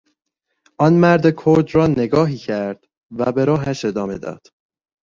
آن مرد کرد را نگاهی کرد و به راهش ادامه داد